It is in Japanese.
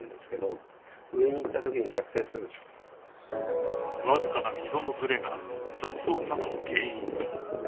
［わずかな溝のずれが雑音などの原因に］